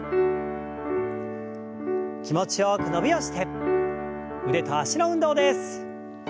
気持ちよく伸びをして腕と脚の運動です。